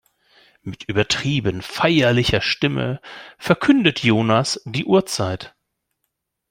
Mit übertrieben feierlicher Stimme verkündet Jonas die Uhrzeit.